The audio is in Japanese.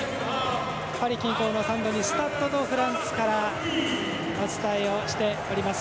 パリ近郊のサンドニスタッド・ド・フランスからお伝えをしております。